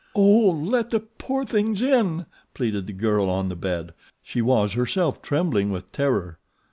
"Oh, let the poor things in," pleaded the girl on the bed. She was, herself, trembling with terror.